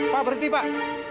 pak berhenti pak